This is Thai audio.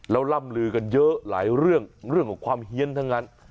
แล้วล่ำลือกันเยอะหลายเรื่องของความเฮียนทั้งนั้น